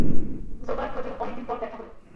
Joburg ঘটনার অনেকদিন পর দেখা হলো।